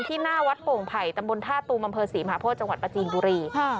หน้าวัดโป่งไผ่ตำบลท่าตูมอำเภอศรีมหาโพธิจังหวัดประจีนบุรี